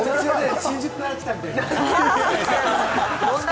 新宿から来たみたいな。